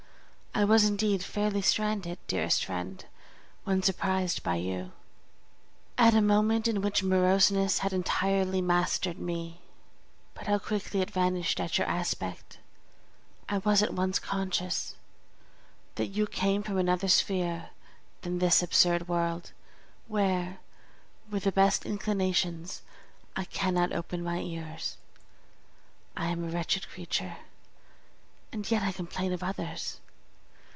I was indeed fairly stranded, dearest friend, when surprised by you at a moment in which moroseness had entirely mastered me; but how quickly it vanished at your aspect! I was at once conscious that you came from another sphere than this absurd world, where, with the best inclinations, I cannot open my ears. I am a wretched creature, and yet I complain of others!!